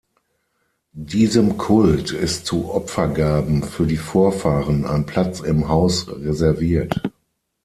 Diesem Kult ist zu Opfergaben für die Vorfahren ein Platz im Haus reserviert.